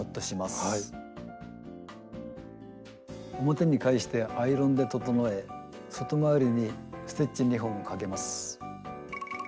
表に返してアイロンで整え外回りにステッチ２本かけます。